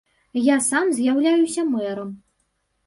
Я сам з'яўляюся мэрам.